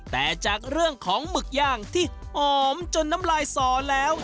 แต่จากเรื่องของหมึกย่างที่หอมจนน้ำลายสอแล้ว